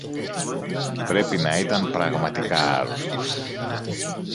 Πρέπει να ήταν πραγματικά άρρωστος